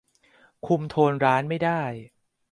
คุมโทนร้านไม่ได้